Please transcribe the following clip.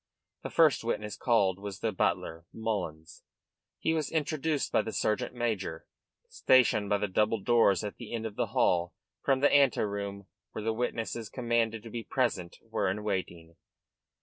The first witness called was the butler, Mullins. He was introduced by the sergeant major stationed by the double doors at the end of the hall from the ante room where the witnesses commanded to be present were in waiting.